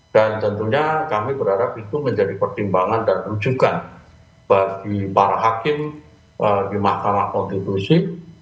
dan tentunya kami berharap itu menjadi pertimbangan dan rujukan bagi para hakim di makam makam konstitusi